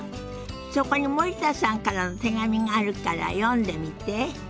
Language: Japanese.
そこに森田さんからの手紙があるから読んでみて。